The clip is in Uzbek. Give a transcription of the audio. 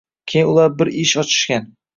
keyin ular bir ish ochishgan